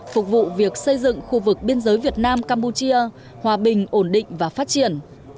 phục vụ việc xây dựng khu vực biên giới việt nam campuchia hòa bình ổn định và phát triển